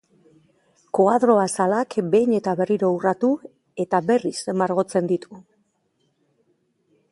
Koadro-azalak behin eta berriro urratu eta berriz margotzen ditu.